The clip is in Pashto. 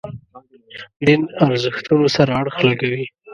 دین ارزښتونو سره اړخ لګوي.